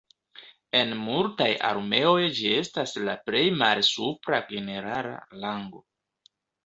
En multaj armeoj ĝi estas la plej malsupra generala rango.